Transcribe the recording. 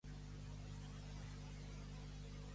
anirem a la font de Sant Lleïr